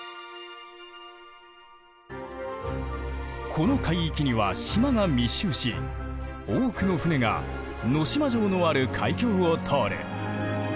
この海域には島が密集し多くの船が能島城のある海峡を通る。